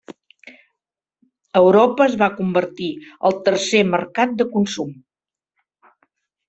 Europa es va convertir al tercer mercat de consum.